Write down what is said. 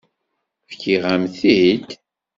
Fkiɣ-am-t-id?